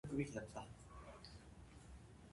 Saya mandi sehari sekali.